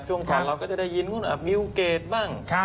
ช่วงก่อนเราก็จะได้ยินมิวเกดบ้าง